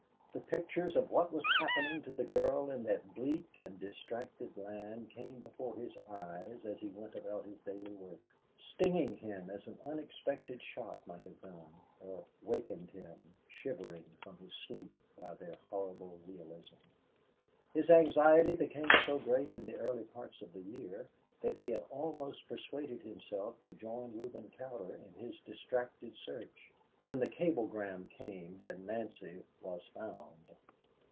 The pictures of what was happening to the girl in that bleak and distracted land came before his eyes as he went about his daily work, stinging him as an unexpected shot might have done, or wakened him, shivering, from his sleep by their horrible realism. His anxiety became so great in the early part of the year that he had almost persuaded himself to join Reuben Cowder in his distracted search, when the cablegram came that Nancy was found.